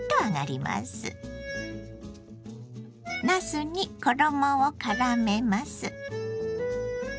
なすに衣をからめます。